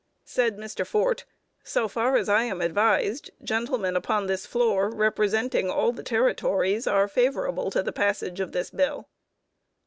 Said Mr. Fort, "So far as I am advised, gentlemen upon this floor representing all the Territories are favorable to the passage of this bill."